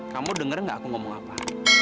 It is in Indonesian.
kamu denger gak aku ngomong apa